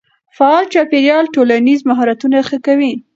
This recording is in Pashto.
فعال چاپېريال ټولنیز مهارتونه ښه کوي.